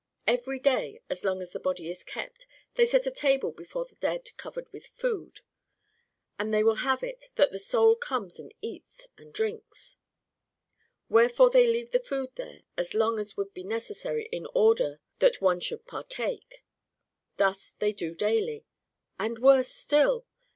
Every day as long as the body is kept, they set a table before the dead covered with food ; and they will have it that the soul comes and eats and drinks : wherefore they leave the food there as long as would be necessary in order that one should partake. Thus they do daily. And worse still